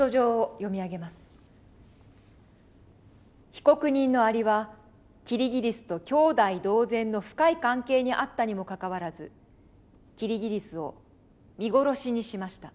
被告人のアリはキリギリスと兄弟同然の深い関係にあったにもかかわらずキリギリスを見殺しにしました。